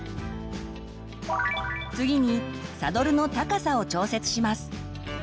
次にサドルの高さを調節します。